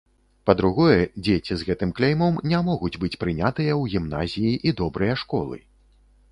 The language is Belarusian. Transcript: Па-другое, дзеці з гэтым кляймом не могуць быць прынятыя ў гімназіі і добрыя школы.